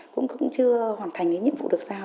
cũng chưa hoàn thành những nhiệm vụ được sao